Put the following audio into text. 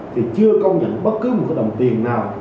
thì chưa công nhận bất cứ một đồng tiền nào